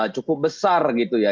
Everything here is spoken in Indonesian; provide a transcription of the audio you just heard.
cukup besar gitu ya